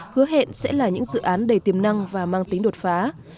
hứa hẹn sẽ là những dự án đầy tiềm năng và mang tính đột phá